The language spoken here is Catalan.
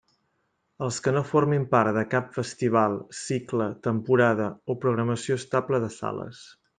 Els que no formin part de cap festival, cicle, temporada o programació estable de sales.